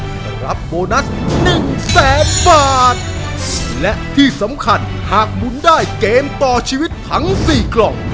จะรับโบนัสหนึ่งแสนบาทและที่สำคัญหากหมุนได้เกมต่อชีวิตทั้งสี่กล่อง